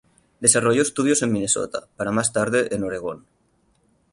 Desarrolló estudios en Minnesota, para más tarde en Oregón.